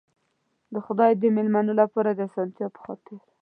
د خدای د مېلمنو لپاره د آسانتیا په خاطر.